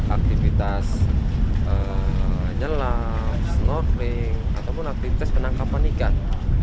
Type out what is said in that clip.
aktivitas nyelam snorkeling ataupun aktivitas penangkapan ikan